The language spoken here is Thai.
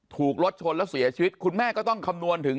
ถูกรถชนแล้วเสียชีวิตคุณแม่ก็ต้องคำนวณถึง